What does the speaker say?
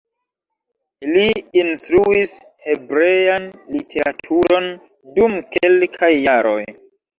Li instruis hebrean literaturon dum kelkaj jaroj.